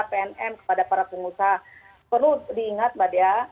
pnm kepada para pengusaha perlu diingat mbak dea